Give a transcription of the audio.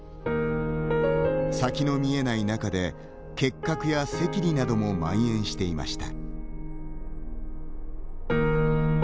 先の見えない中で結核や赤痢などもまん延していました。